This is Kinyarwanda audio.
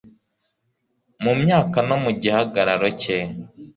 mumyaka no mugihagararo cye